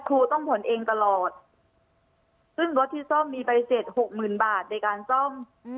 ครูต้องผ่อนเองตลอดซึ่งรถที่ซ่อมมีประเศษ๖๐๐๐๐บาทในการซ่อม